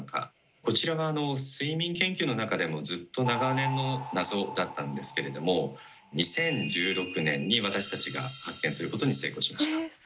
こちらは睡眠研究の中でもずっと長年の謎だったんですけれども２０１６年に私たちが発見することに成功しました。